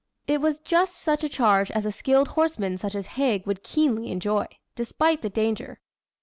It was just such a charge as a skilled horseman such as Haig would keenly enjoy, despite the danger.